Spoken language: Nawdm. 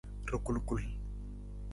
Rakulkul.